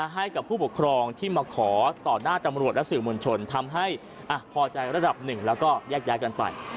ให้กับผู้ปกครองที่มาขอต่อหน้าตำรวจและสื่อมวลชนทำให้พอใจระดับหนึ่งแล้วก็แยกย้ายกันไป